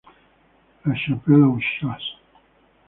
La Chapelle-aux-Chasses